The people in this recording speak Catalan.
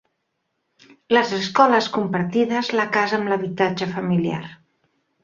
Les escoles compartides la casa amb l'habitatge familiar.